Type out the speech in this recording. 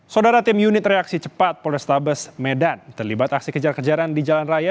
saudara tim unit reaksi cepat polrestabes medan terlibat aksi kejar kejaran di jalan raya